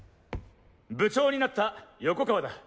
部長になった横川だ。